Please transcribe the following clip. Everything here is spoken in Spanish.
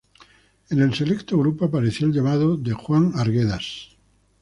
En el selecto grupo apareció el llamado de Juan Arguedas.